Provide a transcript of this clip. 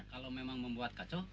kalau memang membuat kacau